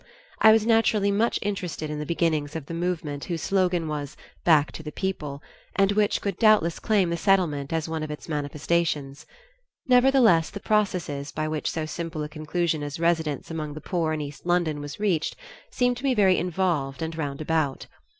I was naturally much interested in the beginnings of the movement whose slogan was "Back to the People," and which could doubtless claim the Settlement as one of its manifestations. Nevertheless the processes by which so simple a conclusion as residence among the poor in East London was reached, seemed to me very involved and roundabout.